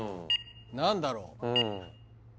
何だろう